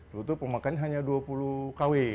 jam itu pemakaian hanya dua puluh kva